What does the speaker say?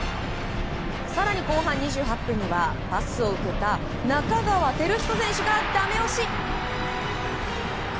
更に、後半２８分にはパスを受けた仲川輝人選手がダメ押し！